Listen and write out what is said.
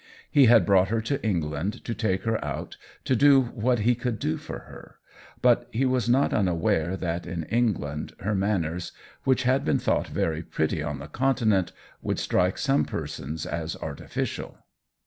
He had brought her to England to take her out, to do what he could for her; but he was not unaware that in England her man ners, which had been thought very pretty on the Continent, would strike some persons as artificial.